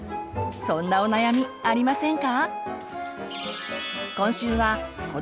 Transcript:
そんなお悩みありませんか？